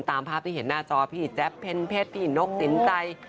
ตามภาพที่เห็นหน้าจอพี่อิ๊ดแจ๊บเพชรพี่อินนกสินใจ